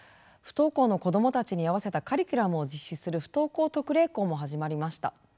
不登校の子どもたちに合わせたカリキュラムを実施する不登校特例校も始まりました。